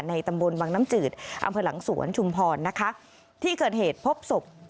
ตำบลวังน้ำจืดอำเภอหลังสวนชุมพรนะคะที่เกิดเหตุพบศพ